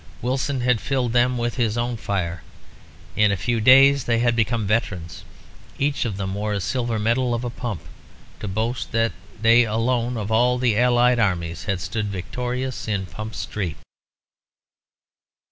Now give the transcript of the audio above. Wilson had filled them with his own fire; in a few days they had become veterans. Each of them wore a silver medal of a pump, to boast that they alone of all the allied armies had stood victorious in Pump Street.